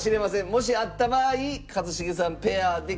もしあった場合一茂さんペアできた瞬間